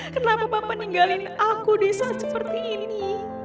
kenapa papa ninggalin aku di saat seperti ini